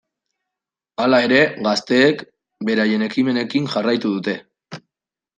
Hala ere, gazteek beraien ekimenekin jarraitu dute.